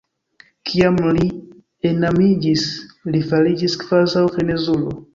Kiam li enamiĝis, li fariĝis kvazaŭ frenezulo.